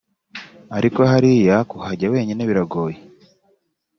ariko hariya kuhajya wenyine biragoye…